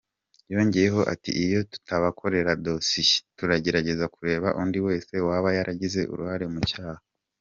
Yongeyeho ati "Iyo tubakorera dosiye, tugerageza kureba undi wese waba yaragize uruhare mu cyaha.